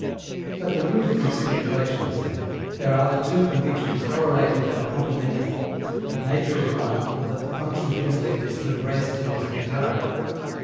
At the root of these speculations, then, there are the two convictions correlative and complementary, that nature is one and that the function of intellect is to embrace it in its entirety.